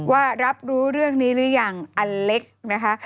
ว่ารับรู้เรื่องนี้หรือยังอันเล็กนะคะ